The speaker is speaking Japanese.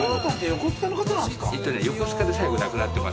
横須賀で最後亡くなってます。